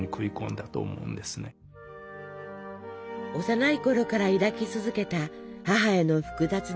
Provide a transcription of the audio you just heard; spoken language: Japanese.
幼いころから抱き続けた母への複雑な思い。